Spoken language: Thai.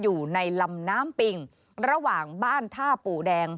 อยู่ในลำน้ำปิงระหว่างบ้านท่าปู่แดง